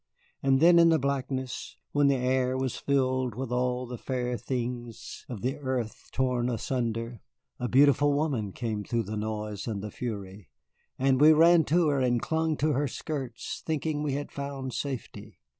And then in the blackness, when the air was filled with all the fair things of the earth torn asunder, a beautiful woman came through the noise and the fury, and we ran to her and clung to her skirts, thinking we had found safety.